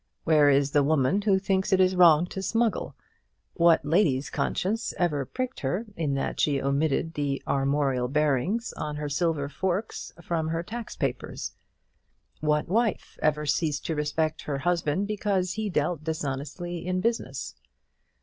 Where is the woman who thinks it wrong to smuggle? What lady's conscience ever pricked her in that she omitted the armorial bearings on her silver forks from her tax papers? What wife ever ceased to respect her husband because he dealt dishonestly in business?